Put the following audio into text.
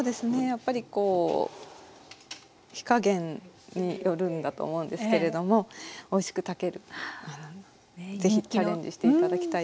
やっぱりこう火加減によるんだと思うんですけれどもおいしく炊けるぜひチャレンジして頂きたいと思います。